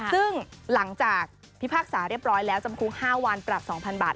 ซึ่งหลังจากพิพากษาเรียบร้อยแล้วจำคุก๕วันปรับ๒๐๐บาท